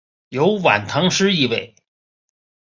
有晚唐诗意味。